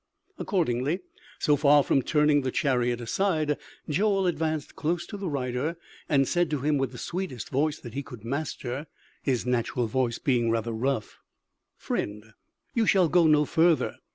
Accordingly, so far from turning the chariot aside, Joel advanced close to the rider, and said to him with the sweetest voice that he could master, his natural voice being rather rough: "Friend, you shall go no further!